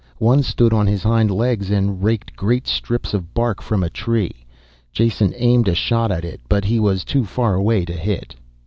One stood on his hind legs and raked great strips of bark from a tree. Jason aimed a shot at it, but he was too far away to hit.